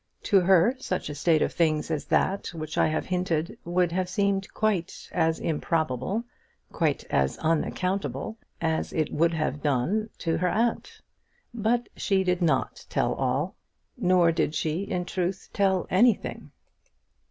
To her such a state of things as that which I have hinted would have seemed quite as improbable, quite as unaccountable, as it would have done to her aunt. But she did not tell all, nor in truth did she tell anything.